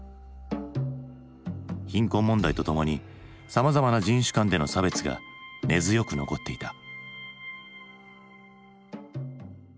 貧困問題とともにさまざまな人種間での差別が根強く残っていた。